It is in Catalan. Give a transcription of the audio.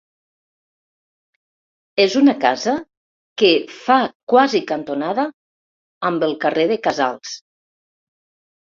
És una casa que fa quasi cantonada amb el carrer de Casals.